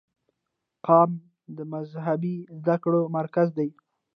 قم د مذهبي زده کړو مرکز دی.